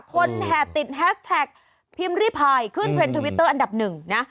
แห่ติดแฮชแท็กพิมพ์ริพายขึ้นเทรนด์ทวิตเตอร์อันดับหนึ่งนะ